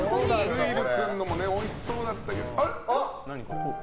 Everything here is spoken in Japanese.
結流君のもおいしそうだったけど。